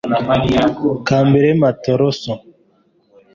Khabele Matlosa